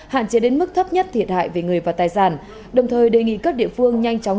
hạn chế đến mức thấp nhất thiệt hại về người và tài sản đồng thời đề nghị các địa phương nhanh chóng